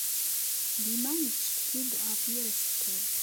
Dima yettcetki-d ɣef yir asekker.